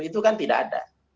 itu kan tidak ada